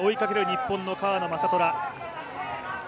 日本の川野将虎。